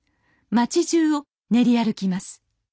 町じゅうを練り歩きます。